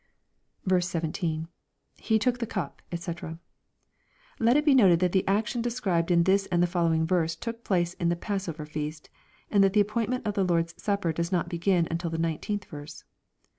17. — [He took the cup^ cfcc] Let it be noted that the action de scribed in this and the following verse took place in the passover feast, and that the appointment of the Lorl's Supper does not be gin till the 19th verse.